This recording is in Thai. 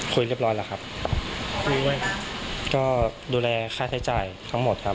คุยเรียบร้อยแล้วครับก็ดูแลค่าใช้จ่ายทั้งหมดครับ